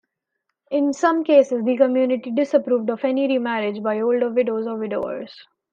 In some cases, the community disapproved of any remarriage by older widows or widowers.